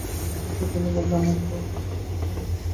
বিনু হেসে ফেলে বলল, আপনি বাবাকে জিজ্ঞেস করছেন কেন?